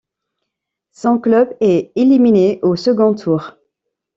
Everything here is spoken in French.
Son club est éliminé au second tour.